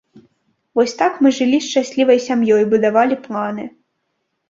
Вось так мы жылі шчаслівай сям'ёй, будавалі планы.